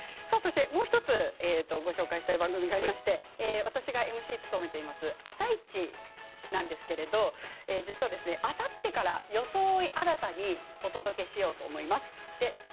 そして、もう一つご紹介したい番組がありまして私がＭＣを務めています「あさイチ」なんですけど実は、あさってから装い新たにお届けしようと思います。